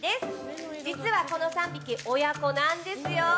実はこの３匹親子なんですよ。